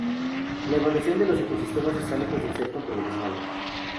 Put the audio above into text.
La valuación de ecosistemas está lejos de ser controversial.